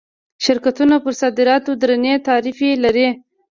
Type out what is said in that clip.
شرکتونه پر صادراتو درنې تعرفې لري.